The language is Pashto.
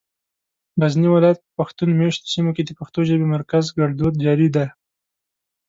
غزني ولايت په پښتون مېشتو سيمو کې د پښتو ژبې مرکزي ګړدود جاري دی.